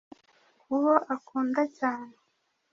kubo akunda cyane.